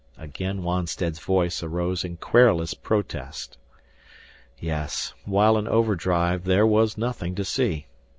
Again Wonstead's voice arose in querulous protest. Yes, while in overdrive there was nothing to see.